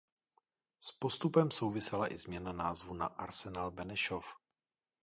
S postupem souvisela i změna názvu na Arsenal Benešov.